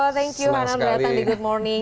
thank you hanal berantakan di good morning